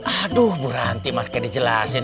aduh buranti mas kayak dijelasin